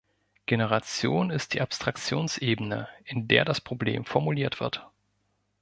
Generation ist die Abstraktionsebene, in der das Problem formuliert wird.